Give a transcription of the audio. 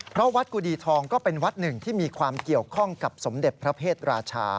เพราะวัดกุดีทองก็เป็นวัดหนึ่งที่มีความเกี่ยวข้องกับสมเด็จพระเพศราชา